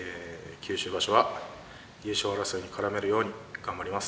九州場所は、優勝争いに絡めるように頑張ります。